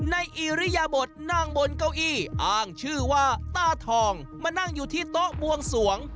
ในอิริยบทนั่งบนเก้าอี้อ้างชื่อว่าตาทองมานั่งอยู่ที่โต๊ะบวงสวง